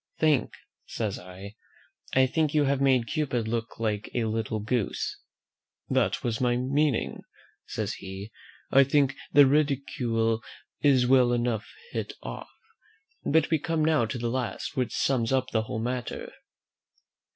'" "Think!" says I; "I think you have made Cupid look like a little goose." "That was my meaning," says he: "I think the ridicule is well enough hit off. But we come now to the last, which sums up the whole matter.